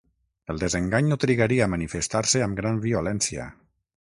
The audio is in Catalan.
El desengany no trigaria a manifestar-se amb gran violència.